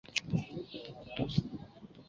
实际从事农业生产的人